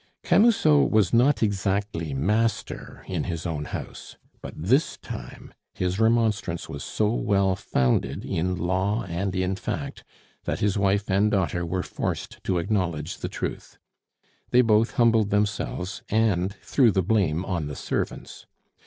Camusot was not exactly master in his own house; but this time his remonstrance was so well founded in law and in fact, that his wife and daughter were forced to acknowledge the truth. They both humbled themselves and threw the blame on the servants.